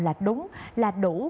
là đúng là đủ